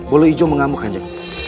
bolo ijo mengamuk kanci